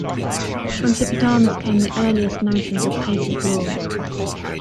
From Hippodamus came the earliest notions of patent law.